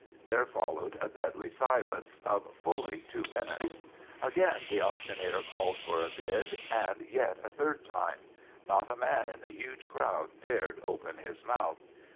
There followed a deadly silence of fully two minutes. Again the auctioneer called for a bid, and yet a third time—not a man in the huge crowd dared open his mouth.